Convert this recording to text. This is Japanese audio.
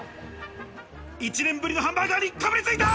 １年ぶりのハンバーガーに、かぶりついた。